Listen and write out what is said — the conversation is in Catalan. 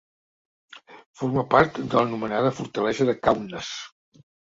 Forma part de l'anomenada Fortalesa de Kaunas.